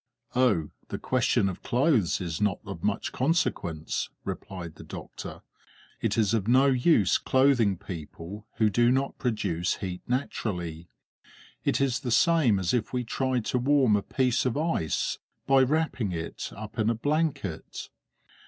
"Oh! the question of clothes is not of much consequence," replied the doctor; "it is of no use clothing people who do not produce heat naturally. It is the same as if we tried to warm a piece of ice by wrapping it up in a blanket!